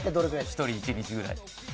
１人１日ぐらい。